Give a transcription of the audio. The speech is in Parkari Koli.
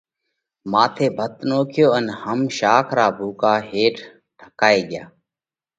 ان ماٿئہ ڀت نوکيو ان هم شاک را ڀُوڪا ڀت هيٺ ڍڪائي ڳيا۔